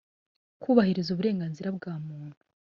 kubahiriza uburenganzira bwa muntu